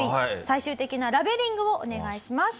最終的なラベリングをお願いします。